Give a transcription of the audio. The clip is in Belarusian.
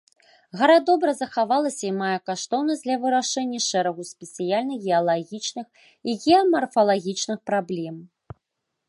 Гара добра захавалася і мае каштоўнасць для вырашэння шэрагу спецыяльных геалагічных і геамарфалагічных праблем.